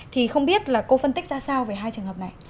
thì không biết là cô phân tích ra sao về hai trường hợp này